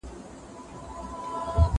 پوهه د حق او باطل ترمنځ توپير کوي.